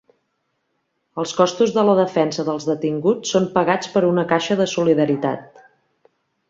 Els costos de la defensa dels detinguts són pagats per una caixa de solidaritat